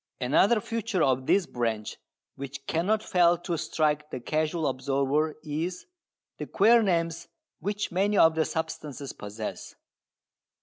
Another feature of this branch which cannot fail to strike the casual observer is the queer names which many of the substances possess.